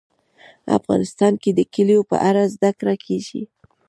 افغانستان کې د کلیو په اړه زده کړه کېږي.